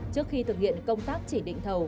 trước khi thực hiện công tác chỉ định thầu